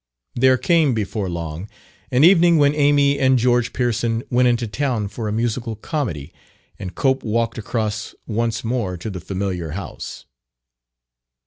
There came, before long, an evening when Amy and George Pearson went into town for a musical comedy, and Cope walked across once more to the familiar house.